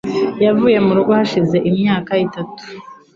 Yavuye mu rugo hashize imyaka itanu